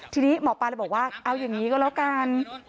ทีนี้หมอปลาเลยบอกว่าเอาอย่างนี้ก็แล้วกัน